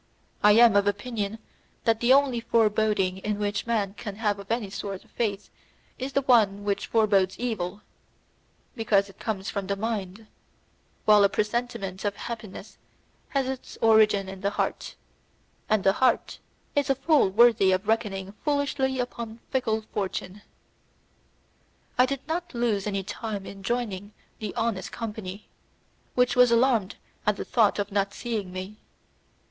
I am of opinion that the only foreboding in which man can have any sort of faith is the one which forbodes evil, because it comes from the mind, while a presentiment of happiness has its origin in the heart, and the heart is a fool worthy of reckoning foolishly upon fickle fortune. I did not lose any time in joining the honest company, which was alarmed at the thought of not seeing me.